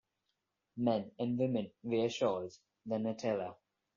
Men as well as women wear shawls, the "netela".